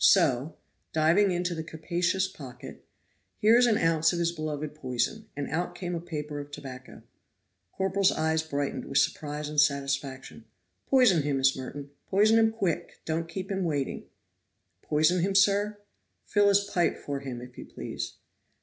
So" (diving into the capacious pocket) "here is an ounce of his beloved poison," and out came a paper of tobacco. Corporal's eyes brightened with surprise and satisfaction. "Poison him, Miss Merton, poison him quick, don't keep him waiting." "Poison him, sir?" "Fill his pipe for him, if you please."